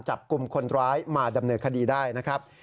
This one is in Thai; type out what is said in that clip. จับกลุ่มคนร้ายมาดำเนินคดีได้นะครับ